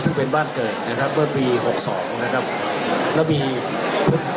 ซึ่งเป็นบ้านเกิดนะครับเมื่อปีหกสองนะครับแล้วมีเพื่อน